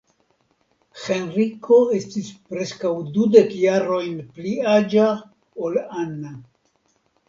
Henriko estis preskaŭ dudek jarojn pli aĝa ol Anna.